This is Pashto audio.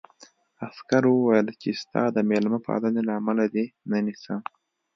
عسکر وویل چې ستا د مېلمه پالنې له امله دې نه نیسم